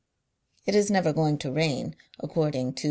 " It is never going to rain, according to M.